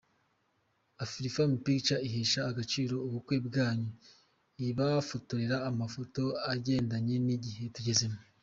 Afrifame Pictures ihesha agaciro ubukwe bwanyu, ibafotorera amafoto agendanye n'igihe tugezemo.